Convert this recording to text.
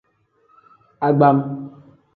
Agbam.